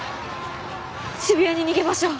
渋谷に逃げましょう。